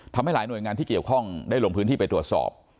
ทำให้หลายหน่วยงานที่เกี่ยวข้องได้ลงพื้นที่ไปตรวจสอบ